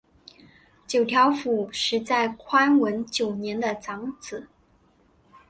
九条辅实在宽文九年的长子。